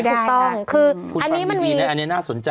ไม่ได้ค่ะคืออันนี้มันมีอันนี้น่าสนใจ